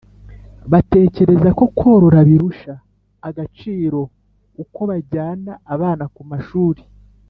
Batekereza ko korora birusha agaciro uko bajyana abana kumashuri.